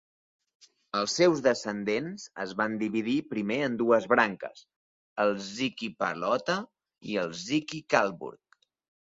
Els seus descendents es van dividir, primer en dues branques: els Zichy-Palota i els Zichy-Karlburg.